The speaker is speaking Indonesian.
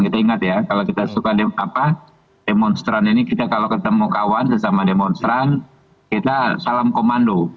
kita ingat ya kalau kita suka demonstran ini kita kalau ketemu kawan sesama demonstran kita salam komando